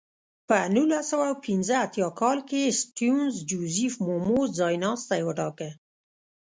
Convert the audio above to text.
په نولس سوه پنځه اتیا کال کې سټیونز جوزیف مومو ځایناستی وټاکه.